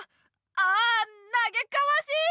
ああなげかわしい！